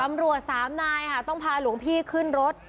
ตำรวจสามนายค่ะต้องพาหลวงพี่ขึ้นรถ